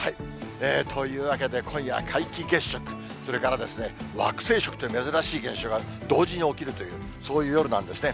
というわけで、今夜、皆既月食、それから惑星食という珍しい現象が同時に起きるという、そういう夜なんですね。